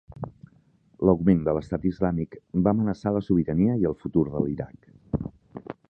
L'augment de l'Estat islàmic va amenaçar la sobirania i el futur de l'Iraq.